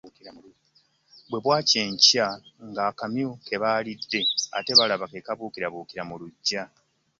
Bwe bwakya enkya ng’akamyu ke baalidde ate balaba kabuukirabuukira mu luggya.